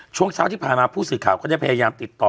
ช่วงเช้าที่ผ่านมาผู้สื่อข่าวก็ได้พยายามติดต่อ